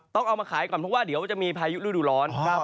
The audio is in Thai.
ต้องเอามาขายก่อนเพราะว่าเดี๋ยวจะมีพายุฤดูร้อน